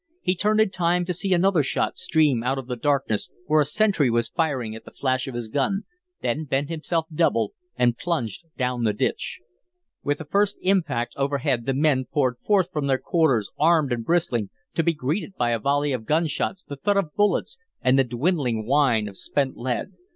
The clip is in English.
He turned in time to see another shot stream out of the darkness, where a sentry was firing at the flash of his gun, then bent himself double and plunged down the ditch. With the first impact overhead the men poured forth from their quarters armed and bristling, to be greeted by a volley of gunshots, the thud of bullets, and the dwindling whine of spent lead.